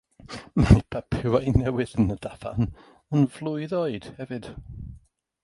Mae papurau newydd yn y dafarn yn flwydd oed hefyd.